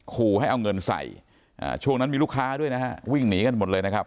ขู่ให้เอาเงินใส่ช่วงนั้นมีลูกค้าด้วยนะฮะวิ่งหนีกันหมดเลยนะครับ